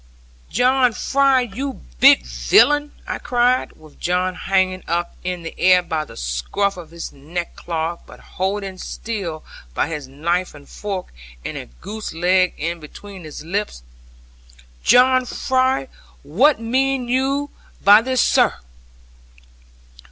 'John Fry, you big villain!' I cried, with John hanging up in the air by the scruff of his neck cloth, but holding still by his knife and fork, and a goose leg in between his lips, 'John Fry, what mean you by this, sir?'